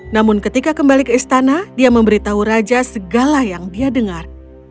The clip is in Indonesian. namun ketika kembali ke istana dia memberitahu raja segala yang dia dengar